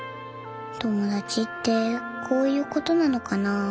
友達ってこういうことなのかな。